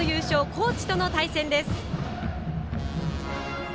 高知との対戦です。